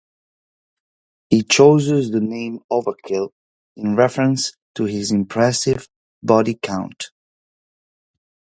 He chooses the name Overkill, in reference to his impressive body count.